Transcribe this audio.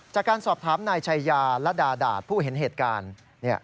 จากการสอบถามนายชัยยาและดาดาตผู้เห็นเหตุการณ์